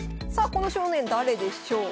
この少年誰でしょう？